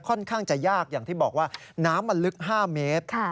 ค่อนข้างจะยากอย่างที่บอกว่าน้ำมันลึก๕เมตร